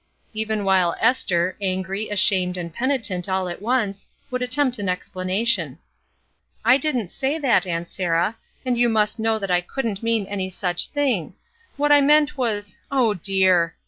even while Esther, angry, ashamed, and penitent all at once, would attempt an explanation. "I didn't say that, Aunt Sarah, and you must know that I couldn't mean any such thing. What I meant was — dear!"